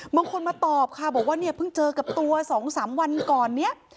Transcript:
บางคนมาตอบค่ะบอกว่าเนี่ยเพิ่งเจอกับตัว๒๓วันก่อนเนี่ย